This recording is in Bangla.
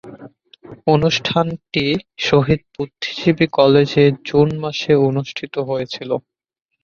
অনুষ্ঠানটি শহীদ বুদ্ধিজীবী কলেজে জুন মাসে অনুষ্ঠিত হয়েছিলো।